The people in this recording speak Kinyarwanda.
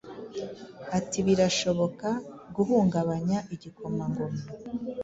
Ati Birashoboka guhungabanya igikomangoma